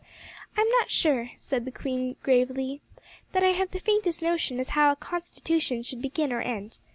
"I'm not sure," said the queen gravely, "that I have the faintest notion as to how a constitution should begin or end.